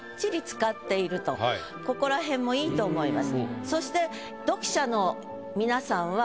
ここらへんもいいと思います。